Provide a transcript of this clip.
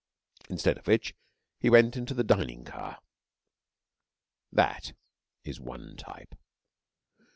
Instead of which he went into the dining car. That is one type.